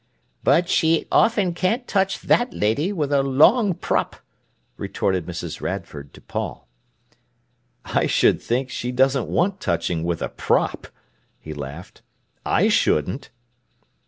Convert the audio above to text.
"But she often can't touch that lady with a long prop," retorted Mrs. Radford to Paul. "I s'd think she doesn't want touching with a prop," he laughed. "I shouldn't."